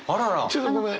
ちょっとごめん。